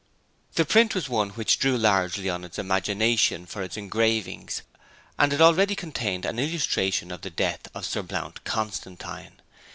The print was one which drew largely on its imagination for its engravings, and it already contained an illustration of the death of Sir Blount Constantine.